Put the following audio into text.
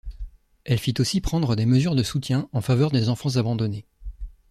Elle fit aussi prendre des mesures de soutien en faveur des enfants abandonnés.